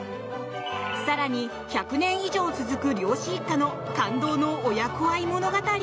更に、１００年以上続く漁師一家の感動の親子愛物語。